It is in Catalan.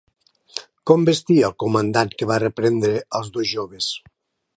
Com vestia el comandant que va reprendre els dos joves?